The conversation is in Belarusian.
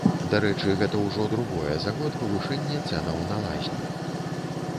Дарэчы, гэта ўжо другое за год павышэнне цэнаў на лазню.